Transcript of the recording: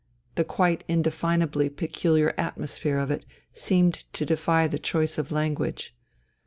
The quite indefinably peculiar atmosphere of it seemed to defy the choice of language.